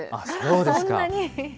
そんなに？